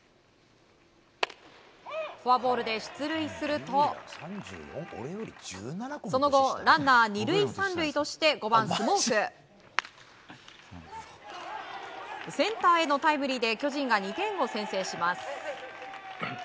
フォアボールで出塁するとその後、ランナー２塁３塁として５番、スモーク！センターへのタイムリーで巨人が２点を先制します。